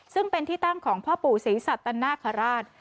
ซึ่งเป็นที่ตั้งของพ่อปู่ศรีสัตนาคาราช